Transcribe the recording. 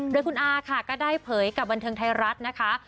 โดยคุณอาค่ะก็ได้เผยกับบันเทิงไทยรัฐนะคะ